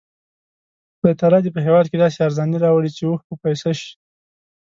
خدای تعالی دې په هېواد کې داسې ارزاني راولي چې اوښ په پیسه شي.